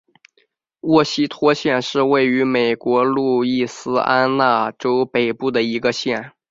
沃希托县是位于美国路易斯安那州北部的一个县。